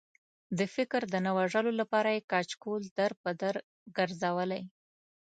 د فکر د نه وژلو لپاره یې کچکول در په در ګرځولی.